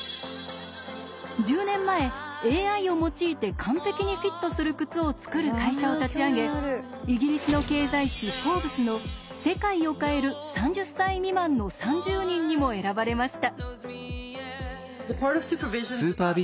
１０年前ＡＩを用いて完璧にフィットする靴を作る会社を立ち上げイギリスの経済誌「Ｆｏｒｂｅｓ」の「世界を変える３０歳未満の３０人」にも選ばれました。